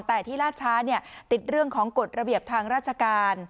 แต่ที่ล่าช้าติดเรื่องของกฎระเบียบทางราชการ